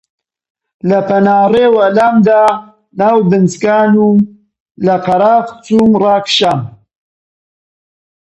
لە پەنا ڕێوە لامدا ناو پنچکان و لە قەراغ چۆم ڕاکشام